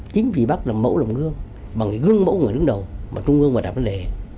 chính vì bác làm mẫu làm gương mà người gương mẫu người đứng đầu mà trung ương mà đảm lệ